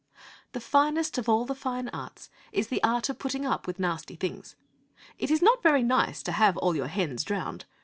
The finest of all the fine arts is the art of putting up with nasty things. It is not very nice to have all your hens drowned.